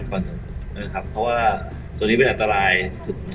สวัสดีครับวันนี้เราจะกลับมาเมื่อไหร่